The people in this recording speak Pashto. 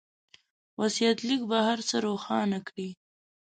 وصيت ليک به هر څه روښانه کړي.